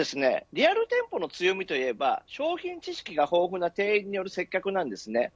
リアル店舗の強みといえば商品知識が豊富な店員による接客なんですね。